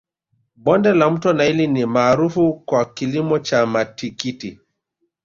bonde la mto naili ni maarufu kwa kilimo cha matikiti